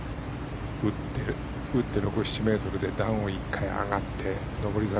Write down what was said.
打って６７ｍで段を１回上がって上り坂